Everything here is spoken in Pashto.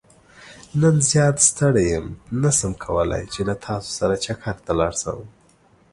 نن زيات ستړى يم نه شم کولاي چې له تاسو سره چکرته لاړ شم.